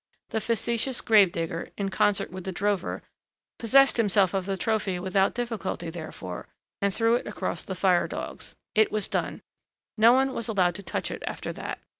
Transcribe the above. The facetious grave digger, in concert with the drover, possessed himself of the trophy without difficulty, therefore, and threw it across the fire dogs. It was done! No one was allowed to touch it after that.